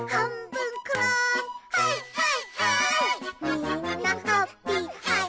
「みんなハッピーハイ！